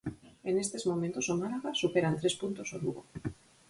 E nestes momentos o Málaga supera en tres puntos o Lugo.